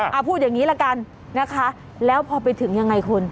เอาพูดอย่างนี้ละกันนะคะแล้วพอไปถึงยังไงคุณ